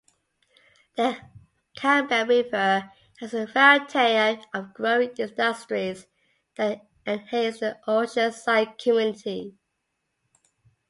Campbell River has a variety of growing industries that enhance the oceanside community.